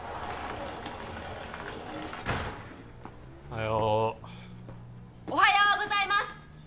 おはようおはようございます！